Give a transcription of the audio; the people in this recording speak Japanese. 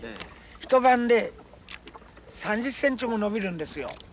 一晩で３０センチも伸びるんですよ。